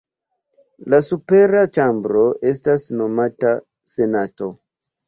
La supera ĉambro estas nomata Senato.